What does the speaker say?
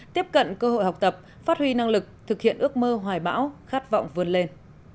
tiếp cận cơ hội học tập phát huy năng lực thực hiện ước mơ hoài bão khát vọng vươn lên